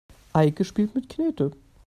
Eike spielt mit Knete.